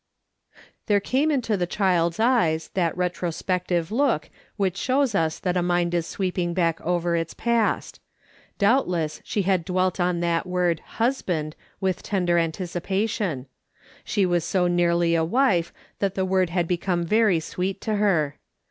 There came into the child's eyes tliat retrospec tive look which shows us that a miud is sweeping back over its past. Doubtless she had dwelt ou that word " husband " with tender anticipation ; she was so nearly a wife that the word had become very sweet to her.